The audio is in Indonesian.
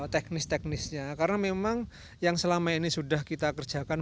teknis teknisnya karena memang yang selama ini sudah kita kerjakan